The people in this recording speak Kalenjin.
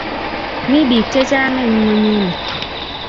Mi bik che chang eng ngonyuni